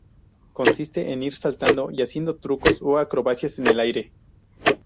Consiste en ir saltando y haciendo trucos o acrobacias en el aire.